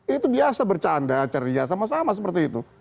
itu biasa bercanda carinya sama sama seperti itu